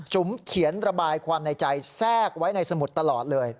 เขียนระบายความในใจแทรกไว้ในสมุดตลอดเลย